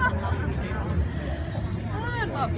แม่กับผู้วิทยาลัย